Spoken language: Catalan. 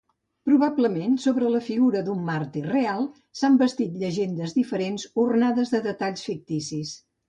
Probablement, sobre la figura d'una màrtir real, s'han bastit llegendes diferents, ornades de detalls ficticis.